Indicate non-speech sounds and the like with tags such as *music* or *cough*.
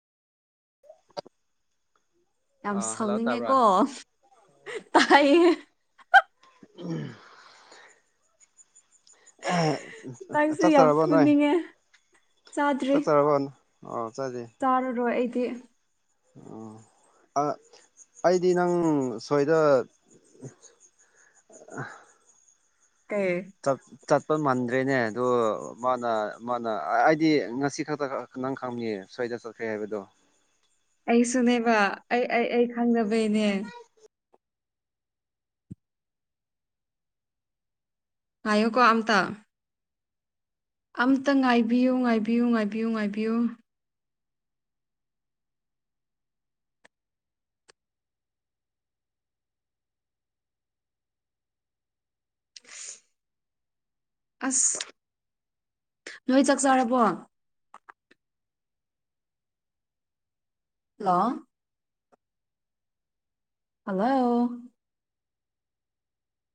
ꯌꯥꯝ ꯑ ꯍꯜꯂꯣ ꯁꯥꯎꯅꯤꯡꯉꯦꯀꯣ ꯇꯥꯕ꯭ꯔꯥ ꯇꯥꯏ ꯎꯝ ꯅꯪꯁꯦ ꯌꯥꯝ ꯆꯠꯆꯔꯕꯣ ꯅꯣꯏ ꯐꯨꯅꯤꯡꯉꯦ ꯆꯥꯗ꯭ꯔꯤ ꯆꯠꯇꯔꯕꯣ ꯑꯥꯎ ꯆ ꯆꯥꯔꯔꯣꯏ ꯑꯩꯗꯤ ꯑꯣ ꯑꯩꯗꯤ ꯅꯪ ꯁꯣꯏꯗ *inaudible* *inaudible* ꯀꯩ ꯆꯠꯄ ꯃꯥꯟꯗ꯭ꯔꯦꯅꯦ ꯑꯗꯣ ꯃꯥꯅ ꯃꯥꯅ ꯍꯥꯏꯗꯤ ꯉꯁꯤ ꯈꯛꯇ ꯅꯪ ꯈꯥꯡꯅꯤꯌꯦ ꯁ꯭ꯋꯥꯏꯗ ꯆꯠꯈ꯭ꯔꯦ ꯍꯥꯏꯕꯗꯣ ꯑꯩ ꯁꯨꯅꯦꯕ ꯑꯩ ꯑꯩ ꯑꯩ ꯈꯪꯗꯕꯩꯅꯦ ꯄꯥꯏꯌꯨ ꯀꯣ ꯑꯝꯇ ꯑꯝꯇ ꯉꯥꯏꯕꯤꯌꯨ ꯉꯥꯏꯕꯤꯌꯨ ꯉꯥꯏꯕꯤꯌꯨ ꯉꯥꯏꯕꯤꯌꯨ ꯑꯁ ꯅꯣꯏ ꯆꯥꯛ ꯆꯥꯔꯕꯣ ꯍꯜꯂꯣ ꯍꯥꯜꯂꯣ